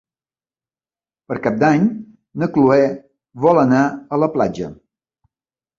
Per Cap d'Any na Cloè vol anar a la platja.